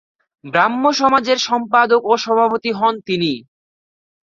ব্রাহ্মসমাজের সম্পাদক ও সভাপতি হন তিনি।